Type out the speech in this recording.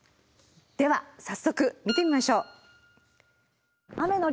では早速見てみましょう。